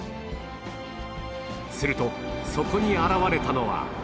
するとそこに現れたのは